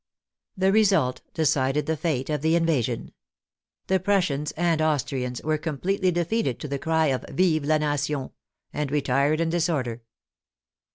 The re sult decided the fate of the invasion. The Prussians and Austrians were completely defeated to the cry of " Vive la nation !" and retired in disorder.